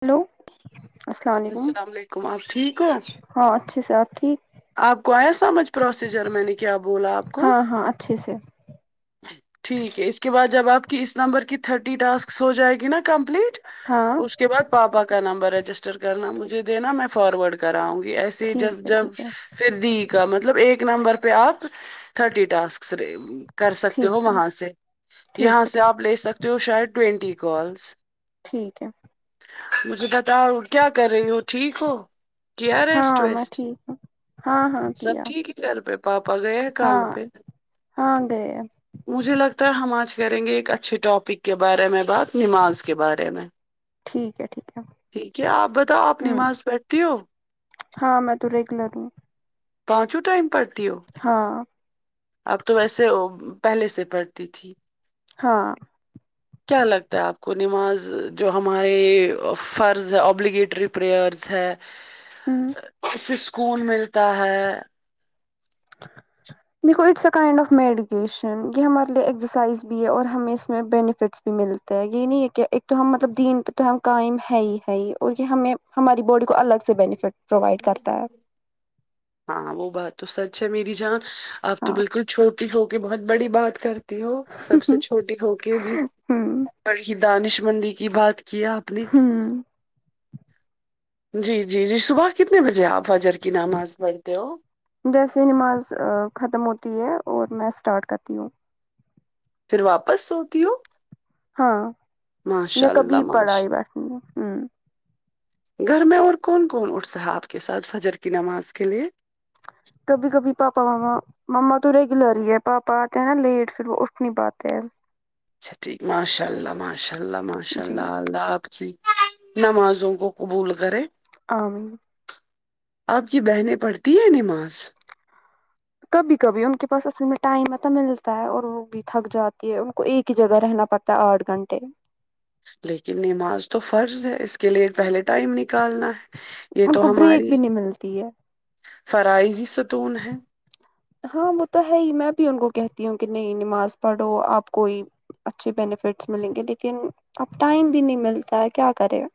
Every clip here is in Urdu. ہیلو السلام علیکم آپ ٹھیک ہو ہاں اچھے سے آپ ٹھیک آپ کو آیا سمجھ پروسیجر میں نے کیا بولا آپ کو ہاں ہاں اچھے سے ٹھیک ہے اسس کے بعد جب آپ کی اس نمبر کی تھرٹی ٹاسکس ہو جائے گی نا کمپلیٹ ہاں اس کے بعد پاپا کا نمبر رجسٹر کرنا مجھے دینا میں فارورڈ کراؤں گی ایسے ہی جس ٹھیک ہے جب ٹھیک فیر دی کا مطلب ایک نمبر پے آپ تھرٹی ٹاسک کر ہے سکتے ہو ٹھیک ہے وہاں سے یہاں ٹھیک ہے سے آپ لے سکتے ہو شاید ٹوینٹی کالس ٹھیک ہے مجھے بتاؤ کیا کر رہی ہو ٹھیک ہو کیا ریسٹ ہاں میں ویسٹ ٹھیک ہوں ہاں ہاں سب کیا ٹھیک ہے گھر پہ پاپا گئے ہیں ہاں کام پہ ہاں گئے مجھے لگتا ہے ہم آج کریں گے ایک اچھے ٹاپک کے بارے میں بات نماز کے بارے میں ٹھیک ہے ٹھیک ہے ٹھیک ہے آپ بتاؤ آپ ہوں نماز پٹھتی ہو ہاں میں تو ریگولر ہوں پانچوں ٹائم پڑھتی ہو ہاں اب تو ویسے او پہلے سے پڑھتی تھی ہاں کیا لگتا ہے آپ کو نماز جو ہمارے فرض ہے ابلیگیٹری پریئرز ہے ہوں اس سے سکون ملتا ہے دیکھو it's a kind of medication یے ہمارے لیے ایکسرسائز بھی ہے اور ہمیں اس میں بینیفٹس بھی ملتے تے یے نہیں ہے کہ ایک تو ہم مطلب دین پے تو ہم قائم ہے ہی ہے ہی اور یے ہمیں ہماری باڈی کو الگ سے بینیفٹ پرووائڈ کرتا ہے ہاں وہ بات تو سچ ہے میری جان آپ تو ہاں بالکل چھوٹی ہو کے بہت بڑی بات کرت تی ہو سب سے چھوٹی ہوکے بھی ہوں بڑی ہی دانش مندی کی بات کی آپ نے ہوں جی جی جی صبح کتنے بجے آپ فجر کی نماز پڑھتے ہو جیسے نماز ختم ہوتی ہے اور میں اسٹارٹ کرتی ہوں پھر واپس سوتی ہو ہاں ماشاء کبھی اللہ ماش پڑائ بیٹتی ہوں گھر میں اور کون کون اٹھتا ہے آپ کے ساتھ فجر کی نماز کے لیے کبھی کبھی پاپا مما مما تو ریگولر ہی ہے پاپا آتے ہیں نا لیٹ فیر وہ اٹھ نہیں پاتے اچھا ٹھیک ماشاء اللہ ماشاء اللہ ماشاء جی اللہ الله آپ کی نمازوں کو قبول کریں آمین آپ کی بہنیں پڑھتی ہیں نماز کبھی کبھی ان کے پاس اصل میں ٹائم نا تو ملتا ہے اور وہ بھی تھک جاتی ہے ان کو ایک ہی جگہ رہنا پڑتا ہے آٹھ گھنٹے لیکن نماز تو فرض ہے اس کے لیے پہلے ٹائم نکالنا ہے یے ان تو کو بریک ہماری بھی نہیں ملتی ہے فرائضی ستون ہے ہاں وہ تو ہے ہی میں بھی ان کو کہتی ہوں کی نہیں نماز پڑھو آپ کوئی اچھے بینیفٹس ملیں گے لیکن اب ٹائم بھی نہیں ملتا ہے کیا کرے گا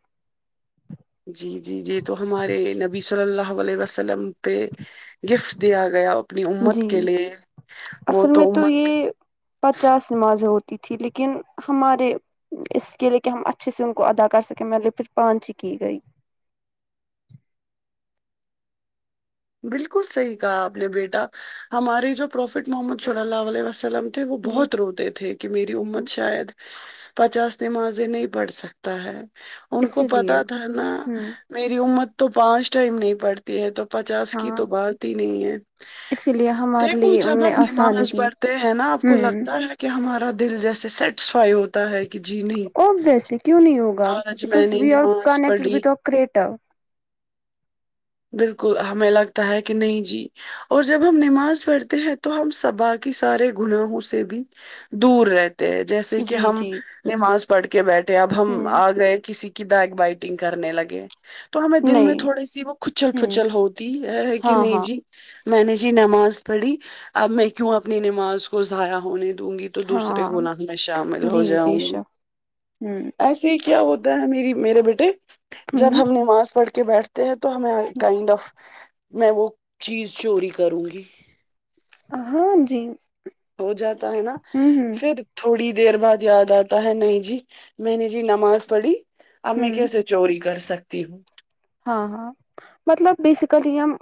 جی جی جی یے تو ہمارے نبی صلی اللہ علیہ وسلم پے گفٹ دیا گیا اپنی امت جی کے لیے وہ اصل میں تو امت یہ پچاس نمازیں ہوتی تھی لیکن ہمارے اس کے لیے کی ہم اچھے سے ان کو ادا کر سکیں مطلب کے پھر پانچ ہی کی گئی بالکل صحیح کہا آپ نے بیٹا ہمارے جو پروفٹ محمد صلی اللہ علیہ وسلم تھے وہ جی بہت روتے تھے کہ میری امت شاید پچاس نمازے نہیں پڑھ سکتا ہے ان کو اسی لیے پتا تھا نا ہوں میری امت تو پانچ ٹائم نہیں پڑتی ہے تو پچاس کی ہاں تو بات ہی نہیں ہے اسی لیے ہمارے دیکھو لیے ان جب نے ہم آسانی نماج کی پڑھتے ہیں نا آپ کو ہوں لگتا ہے کہ ہمارا دل جیسے سیٹسفائی ہوتا ہے کہ جی نہیں ابویسلی کیوں نہیں ہوگا آج بکاز میں نے وی آر نماز کنیکٹیڈ پڑھی وت آ کریٹر کو ہمیں لگتا ہے کی نہیں جی اور جب ہم نماز پڑھتے ہیں تو ہم صبا کی سارے گناہوں سے بھی دور رہتے ہیں جیسے کے جی ہم جی نماز پڑھ کے بیٹھے ہے اب ہم ہوں آ گئے کسی کی بیگ بائٹنگ کرنے لگے تو ہمیں دل میں نہیں تھوڑی سی وہ کھچل ہوں پچل ہوتی ہے کی ہاں نہیں ہاں جی میں نے جی نماز پڑھی اب میں کیوں اپنی نماز کو ضایع ہونے دوں گی تو دوسرے ہاں گناہ میں شامل ہو جی بے جاؤں گی شک ہوں ایسے ہی کیا ہوتا ہے میری میرے بیٹے جب ہوں ہم نماز پڑھ کے بیٹھتے ہیں تو ہمیں کائنڈ آف میں وہ چیز چوری کروں گی ہاں جی ہو جاتا ہے نا ہوں ہوں پھر تھوڑی دیر بعد یاد آتا ہے نہیں جی میں نے جی نماز پڑھی اب میں ہوں کیسے چوری کر سکتی ہوں ہاں ہاں مطلب بیسیکلی ہم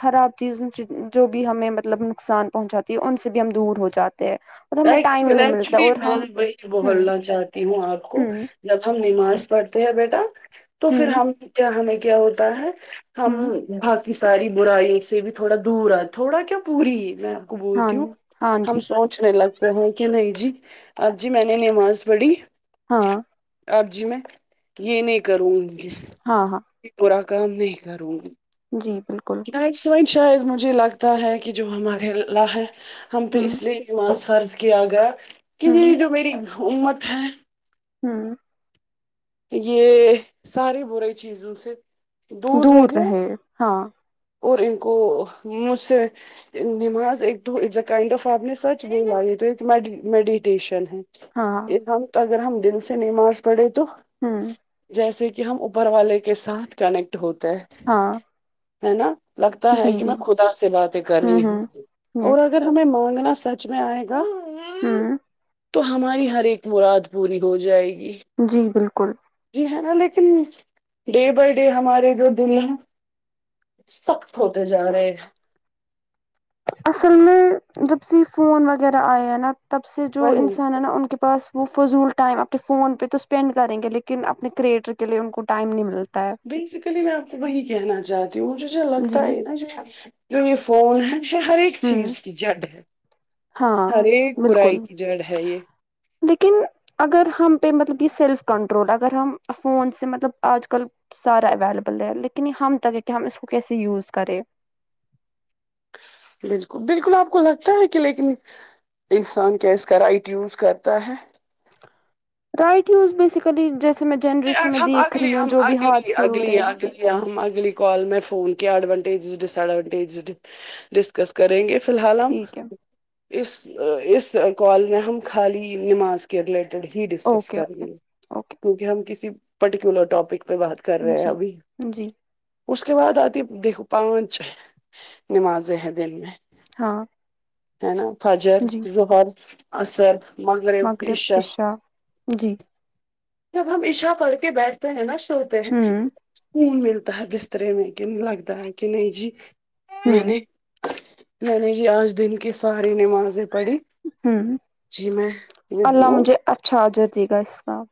خراب چیزوں سے جو بھی ہمیں مطلب نقصان پہنچاتے ان سے بھی ہم دور ہو جاتے ہیں ہمیں ایکچ ٹائم ہی نہیں ملتا ایکچولی اور میں ہم وہی ہوں بولنا چاہتی ہوں آپ کو ہوں جب ہم نماز پڑھتے ہیں بیٹا تو پھر ہوں ہم کیا ہمیں کیا ہوتا ہے ہم ہوں باقی ساری برائی سے بھی تھوڑا دور ہے تھوڑا کیا پوری ہے میم ہاں بولتی ہوں ہاں جی ہم سوچ نے لگ جا ہے کہ نہیں جی اب جی میں نے نماز پڑھی ہاں آب جی میں یہ نہیں کروں ہاں ہاں برا کام نہیں کروں گی جی بالکل ش [unintelligible] اید مجھے لگتا ہے کہ جو ہمارے اللہ ہے ہم پہ ہوں اس لیے نماز فرض کیا گیا کہ یہ ہوں جو میری امت ہے ہوں یہ سارے برے چیزوں سے دور رہے ہاں اور ان کو مجھ سے نماز ایک د دو اٹز اے کائنڈ آف آپ سچی میڈیٹیشن ہوں ہاں یہ ہم اگر ہم دل سے نماز پڑھے تو ہاں جیسے کہ ہم اوپر والے کے ساتھ کنیکٹ ہوتے ہے ہاں ہے نا لگتا جی ہے کہ جی میں خدا سے باتیں کر رہی ہوں اور یس اگر ہمیں مانگنا سچ میں آئے گا ہاں تو ہماری ہر ایک مراد پوری ہو جائے گی جی بالکل جی ہے نا لیکن ڈے بائی ڈے ہمارے جو دل ہے سخت ہوتے جا رہے ہیں اصل میں جب سے فون وغیرہ آیا ہے نا تب سے جو وہی انسان ہے نا ان کے پاس وہ فضول ٹائم اپنے فون پہ تو اسپینڈ کریں گے لیکن اپنے کریئٹر کے لیے ان کو ٹائم نہیں ملتا ہے بیسیکلی میں آپ کو وہی کہنا چاہتی ہوں مجھے جو لگتا جی ہے نا جو یہ فون ہے یہ ہر ایک ہوں چیز کی جڈ ہے ہر ہاں ایک بورائی بالکل کی جڑ ہے یہ لیکن اگر ہم پہ مطلب یہ سیلف کنٹرول اگر ہم فون سے مطلب آج کل سارا اویلیبل ہے لیکن یہ ہم تک ہے کہ ہم اس کو کیسے یوز کریں بالکل بالکل آپ کو لگتا ہے کہ لیکن انسان کیس کا رائٹ یوز کرتا ہے رائٹ یوز بیسیکلی جیسے میں جنریشن میں ہم دیکھ رہی ہوں جو بھی ہاد سے ہو رہے ہیں کیا ہم اگلی کال میں فون کیا ایڈوانٹیجز ڈس ایڈوانٹیجز ڈسکس کریں گے فی الحال ہم ٹھیک ہے اس اس کال میں ہم خالی نماز ریلیٹڈ ہی ڈسکس اوکے کر اوکے لے اوکے کیونکہ ہم کسی پرٹیکولر اپک پہ بات کر رہے جی ہیںبھی جی اس کے بعد آتی دیکھو پانچ نمازیں ہیں دن میں ہاں ہے نا فجر جی ضہر عصر مغرب عشا جی جب ہم اشا کر کے بیٹھتے ہیں نا سوتے ہیں ہوں خون ملتا ہے بسترے میں کہ لگتا ہے کہ نہیں جی میں ہوں نے میں نے جی آج دن کی ساری نمازیں پڑھی ہا جی میں اللہ ہوں مجھے اچھا آجر دے گا اس کاب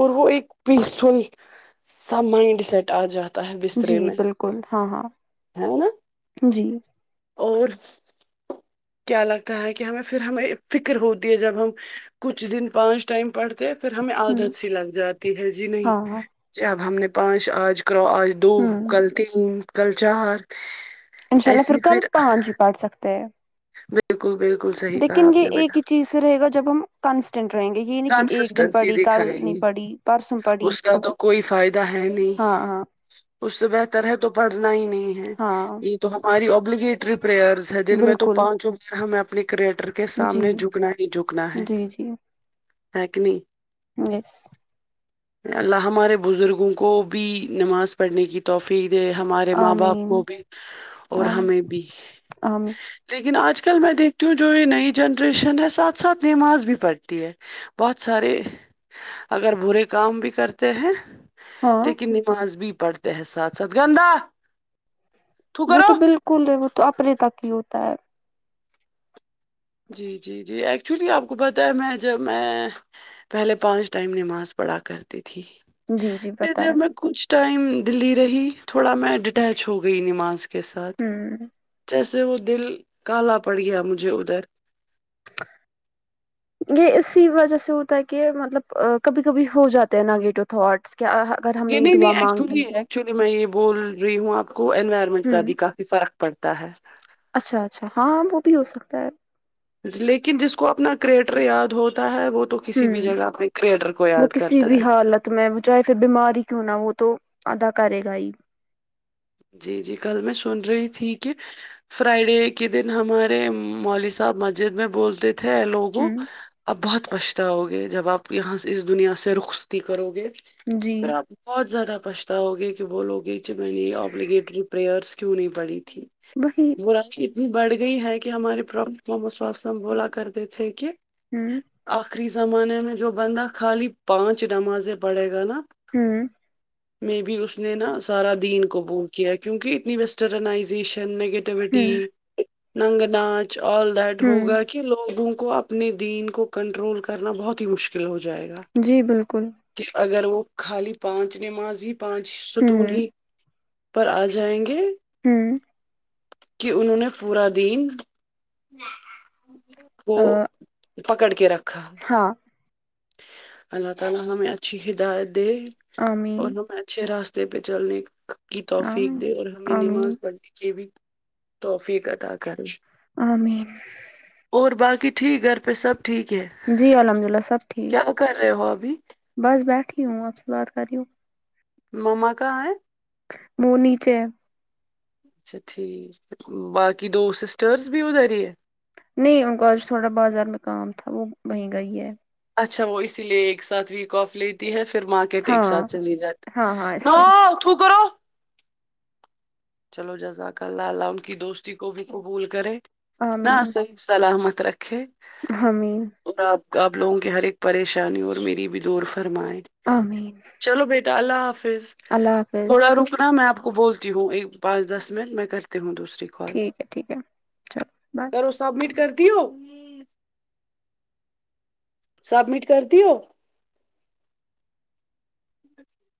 اور وہ ایک پیس فل سا مائنڈ سیٹ آ جاتا تھ بستر جی میں بالکل ہاں ہاں نا جی اور کیا لگتا ہے کہ ہمیں پھر ہمیں فکر ہوتی ہے جب ہم کچھ دن پانچ ٹائم پڑھتے ہیں پھر ہمیں ہوں عادت سی لگ جاتی ہے جی نہیں ہاں ہاں جب ہم نے پانچ آج کرو آج دو ہوں کل تین کل چار انشاء اللہ پھر کل پانچ ہی بیٹھ سکتے ہیں بالکل بالکل صحیح کہا لیکن آپ یہ نے بیٹا ایک ہی چیز سے رہے گا جب ہم کانسٹینٹ رہیں گے یہ نہیں کہ ایک دن کنسسٹینسی پڑھی کل دکھائیں نہیں گے پڑھی پرسوں پڑھی اس کا تو کوئی فائدہ ہے نہیں ہاں ہاں اس سے بہتر ہے تو پڑھنا ہی نہیں ہے ہاں یہ تو ہماری ابلیگیٹری پریئرز دن میں تو بالکل پانچ عمر ہمیں اپنے کریٹر کے جی سامنے جھکنا ہی جھکنا ہے جی جی ہی کی نہیں یس اللہ ہمارے بزرگوں کو بھی نماز پڑھنے کی توفی دے ہمارے ماں باپ آمین کو بھی اور آمین ہمیں بھی آمین لیکن آج کل میں دیکھتی ہوں جو یہ نئی جنریشن ہے ساتھ ساتھ نماز بھی پڑھتی ہے بہت سارے اگر برے کام بھی کرتے ہیں ہاں لیکن نماز بہی پڑتے ہیں ساتھ ساتھ گندا وہ تو بالکل ہے وہ تو اپنے تک ہی ہوتا ہے جی جی جی ایکچولی آپ کو پتا ہے میں جب میں پہلے پانچ ٹائم نماز پڑھا کرتی تھی جی جی پھر بتائیں جب میں کچھ ٹائم دلی رہی تھوڑا میں ڈٹیچ ہو گئی نماز کے ساتھ ہوں جیسے وہ دل کالا پڑ گیا مجھے ادھر یہ اسی وجہ سے ہوتا ہے کہ مطلب کبھی کبھی ہو جاتے ہیں نگیٹیو تھاٹس کہ جی نہیں نہیں ایکچولی ایکچولی میں یہ بول رہی ہوں آپ کو انوائرمنٹ ہوں کادی کا فرق پڑتا ہے اچھا اچھا ہاں وہ بھی ہو سکتا ہے لیکن جس کو اپنا کریٹر یاد ہوتا ہے وہ تو کسی بھی ہوں جگہ اپنے کریٹر کو یاد کرتا ہے تو میں وہ چاہے پھر بیمار ہی کیوں نہ وہ تو ادا کرے گا ہی جی جی کل میں سن رہی تھی کہ فرائیڈے کے دن ہمارے مولی صاحب مسجد میں بولتے ہے لوگوں ہوں اب بہت پچھ تاؤگے جب آپ یہاں سے اس دنیا سے رخصتی کرو گے جی پھر آپ بہت زیادہ پچھتاؤ گے کہ بولو گے کہ میں نے یہ ابلیگیٹری پریئرس کیوں نہیں پڑھی تھی وہی برا سی اتنی بڑھ گئی ہے کہ ہمارے پورا سم بولا کرتے تھے کہ ہم آخری زمانے میں جو بندہ خالی پانچ نمازے پڑھے گا نا ہوں مے بھی اس نے نا سارا دین قبول کیا کیکی اتنی ویسٹرانئزیشن نگیٹیوٹی ہوں ننگ ناچ آ ڈیڈ ہوں ہوگا کہ لوگوں کو اپنے دین کو کنٹرول کرنا بہت ہی مشکل ہو جائے گا جی بالکل کہ اگر وہ خالی پانچ نماز ہی پانچ ستون ہوں ہی پر آ جائیں گے ہوں کہ انہوں نے پورا دین کو آ، پکڑ کے رکھا ہاں اللہ تعالی ہمیں اچھی ہدایت دے اور آمین ہمیں اچھے راستے پہ چلنے کی توفیق آمین دے اور ہمیں نماز آمین پڑھنے کے بھی توفیق اتا کرے آمین اور باقی ٹھیک گھر پہ سب ٹھیک ہے جی الحمدلله سب ٹھیک کیا کر رہے ہو ابھی بس بیٹھی ہوں آپ سے بات کر رہی ہوں مما کہاں ہے وہ نیچے ہے اچھا ٹھیک باقی دو سسٹرس بھی ادھر ہی ہے نہیں ان کا آج تھوڑا بازار میں کام تھا وہ وہیں گئی ہے اچھا وہ اسی لیے ایک ساتھ ویک آف لیتی ہے پھر مار کیٹ ایک ہاں ساتھ چلی جات ہاں ہاں نا اس لیے تہو کرو چلو جزاک اللہ الله ان کی دوستی کو بھی قبول کرے نہ صحی سلامت رکھے ہامین خدا آپ آپ لوگوں کی ہر ایک پریشانی اور میری بھی دور فرمائے آمین چلو بیٹا اللہ حافظ اللہ حافظ سنا میں آپ کو بولتی ہوں ایک پانچ دس منٹ میں کرتی ہوں دوسری کال ٹھیک ہے ٹھیک ہے چلو بائے کرو سبمٹ کرتی ہو سبمٹ کر تی ہو